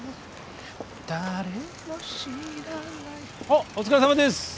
おっお疲れさまです。